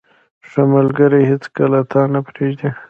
• ښه ملګری هیڅکله تا نه پرېږدي.